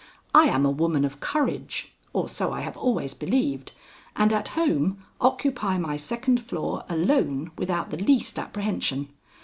I am a woman of courage or so I have always believed and at home occupy my second floor alone without the least apprehension.